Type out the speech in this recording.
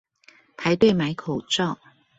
排隊買口罩